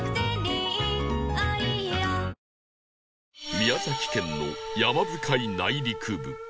宮崎県の山深い内陸部